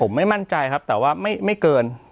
ผมไม่มั่นใจครับแต่ว่าไม่เกิน